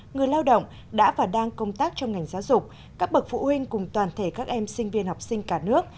người lao động đã và đang công tác trong ngành giáo dục các bậc phụ huynh cùng toàn thể các em sinh viên học sinh cả nước